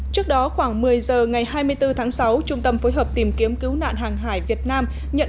trước đó khoảng một mươi giờ ngày hai mươi bốn tháng sáu trung tâm phối hợp tìm kiếm cứu nạn hàng hải việt nam nhận